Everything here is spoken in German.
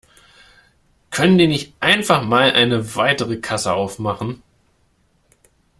Können die nicht einfach mal eine weitere Kasse aufmachen?